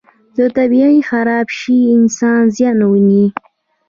که طبیعت خراب شي، انسان زیان ویني.